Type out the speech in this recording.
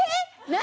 何？